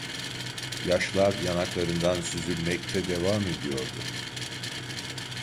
Yaşlar yanaklarından süzülmekte devam ediyordu.